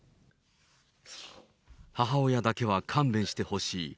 母親だけは勘弁してほしい。